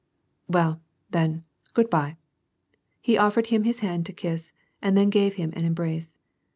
" Well, then, good by." He ofForod him his hand to kiss, and then gave him an embrace.